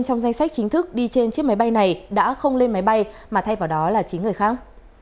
trong danh sách chính thức đi trên chiếc máy bay này đã không lên máy bay mà thay vào đó là chính người khác